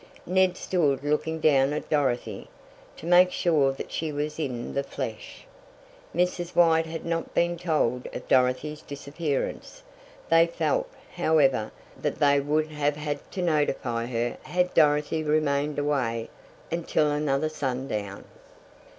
Ned stood looking down at Dorothy, to make sure that she was in the flesh. Mrs. White had not been told of Dorothy's disappearance. They felt, however, that they would have had to notify her had Dorothy remained away until another sundown.